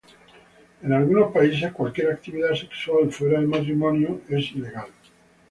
En algunos países, cualquier actividad sexual fuera del matrimonio es ilegal.